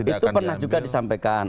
itu pernah juga disampaikan